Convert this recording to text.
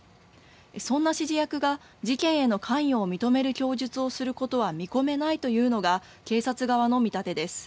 そんな指示役が、事件への関与を認める供述をすることは見込めないというのが、警察側の見立てです。